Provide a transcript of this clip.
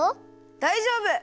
だいじょうぶ！